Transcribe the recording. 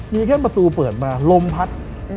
มีแค่ประตูเปิดมาลมพัด